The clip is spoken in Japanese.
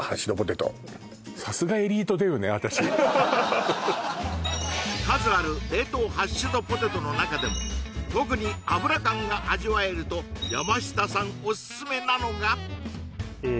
さすがエリートデブね私数ある冷凍ハッシュドポテトの中でも特に油感が味わえると山下さんおすすめなのがえ